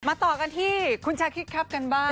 ต่อกันที่คุณชาคิดครับกันบ้าง